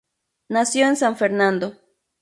Nació en San Fernando.